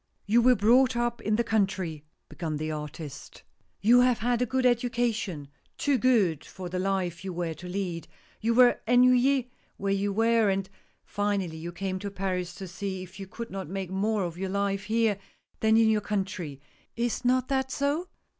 " You were brought up in the country," began the THE STUDIO. 135 artist, " you have had a good education — too good for the life you were to lead — you were ennuy ee where you were, and finally you came to Paris to see if you could not make more of your life here than in your country. Is not that so